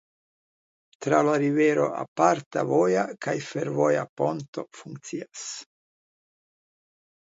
Tra la rivero aparta voja kaj fervoja pontoj funkcias.